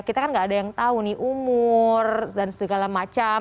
kita kan gak ada yang tahu nih umur dan segala macam